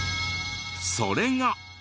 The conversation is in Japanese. それが。